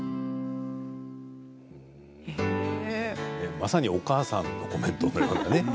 まさにお母さんのコメントですね。